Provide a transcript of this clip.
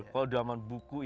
kalau zaman buku